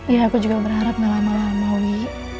ya aku juga berharap gak lama lama wi